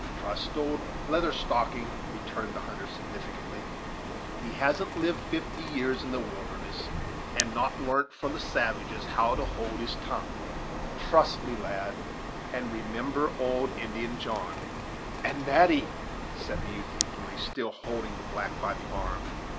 "Trust old Leather Stocking," returned the hunter significantly; "he hasn't lived fifty years in the wilderness, and not larnt from the savages how to hold his tongue trust to me, lad; and remember old Indian John." "And, Natty," said the youth eagerly, still holding the black by the arm.